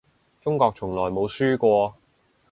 中國從來冇輸過